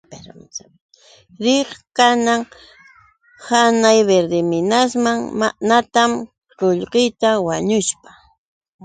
Riq kanan hanay Verdeminasman natam qullqita wanushpa.